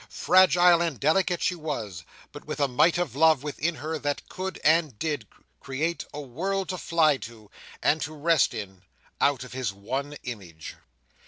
Fragile and delicate she was, but with a might of love within her that could, and did, create a world to fly to, and to rest in, out of his one image.